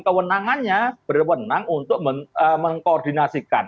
kewenangannya berwenang untuk mengkoordinasikan